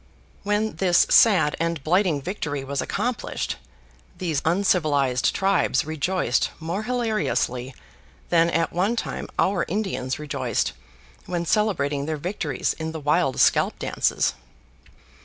When this sad and blighting victory was accomplished, these uncivilized tribes rejoiced more hilariously than at one time our Indians rejoiced when celebrating their victories in the wild scalp dances.